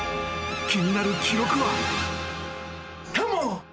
気になる記録は］カモン！